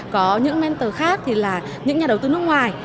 có những mentor khác thì là những nhà đầu tư nước ngoài